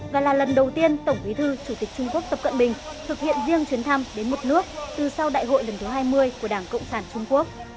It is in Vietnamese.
và là lần đầu tiên tổng bí thư chủ tịch trung quốc tập cận bình thực hiện riêng chuyến thăm đến một nước từ sau đại hội lần thứ hai mươi của đảng cộng sản trung quốc